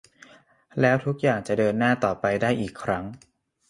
แล้วทุกอย่างจะเดินหน้าต่อไปได้อีกครั้ง